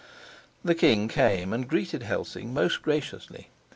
The king came and greeted Helsing most graciously.